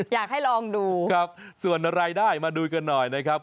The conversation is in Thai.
ยังให้ลองดูส่วนอะไรได้มาดูกันหน่อยนะครับ